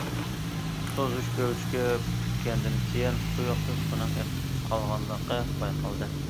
سۇ ئۈزۈش كۆلچىكى پۈتكەندىن كېيىن، تۇيۇقسىز سۇنىڭ ئېقىپ قالغانلىقى بايقالدى.